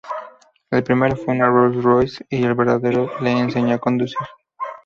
El primero fue un Rolls-Royce y el vendedor le enseñó a conducir.